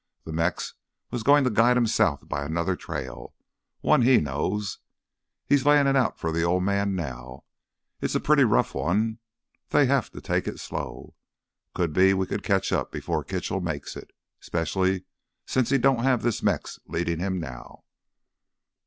Th' Mex was goin' to guide 'em south by another trail—one he knows. He's layin' it out for th' Old Man now. It's a pretty rough one; they'd have to take it slow. Could be we could catch up before Kitchell makes it—'specially since he don't have this Mex leadin' him now."